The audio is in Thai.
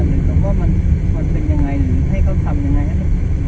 ก็แค่ให้มันเป็นผู้แบบหรือว่ามันเป็นยังไงให้เขาทำยังไง